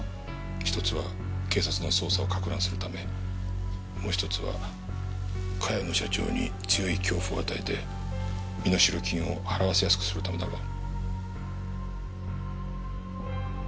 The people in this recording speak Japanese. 一つは警察の捜査をかく乱するためもう一つは茅野社長に強い恐怖を与えて身代金を払わせやすくするためだろう。